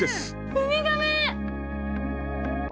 ウミガメ！